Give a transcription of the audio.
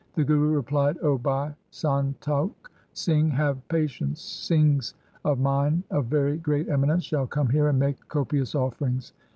The Guru replied, ' O Bhai Santokh Singh, have patience. Singhs of mine of very great eminence shall come here and make copious offerings.